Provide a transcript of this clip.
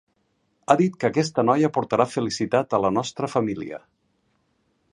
Ha dit que aquesta noia portarà felicitat a la nostra família.